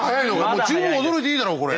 もう十分驚いていいだろうこれ。